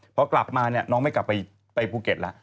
เพราะกลับมาน้องไม่กลับไปภูเก็ตแล้ว